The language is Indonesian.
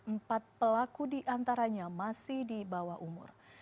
empat pelaku di antaranya masih di bawah umur